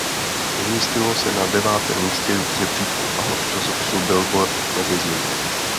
Umístilo se na devátém místě žebříčku alb časopisu Billboard Magazine.